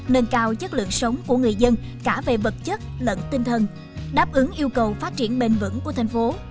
nâng cao chất lượng sống của người dân cả về vật chất lẫn tinh thần đáp ứng yêu cầu phát triển bền vững của thành phố